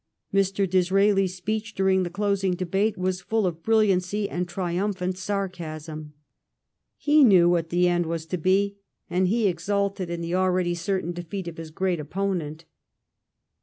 Mr. Disraelis speech during the closing debate was full of brilliancy and triumphant sarcasm. He knew what the end was to be, and he exulted in the already certain defeat of his great opponent.